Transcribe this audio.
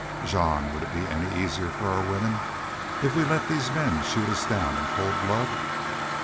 "Jean, would it be any easier for our women if we let these men shoot us down in cold blood?"